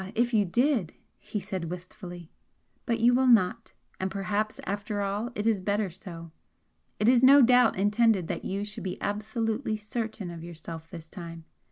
If you did" he said, wistfully "But you will not; and perhaps, after all, it is better so. It is no doubt intended that you should be absolutely certain of yourself this time.